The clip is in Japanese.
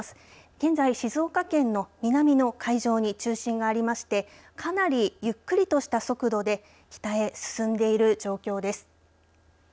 現在、静岡県の南の海上に中心がありましてかなりゆっくりとした速度で北へ進んでいる状況です。